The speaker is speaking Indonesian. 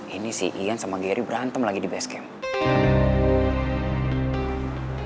ini si ian sama gery berantem lagi di base camp